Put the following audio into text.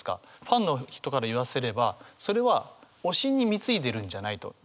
ファンの人から言わせればそれは推しに貢いでるんじゃないと。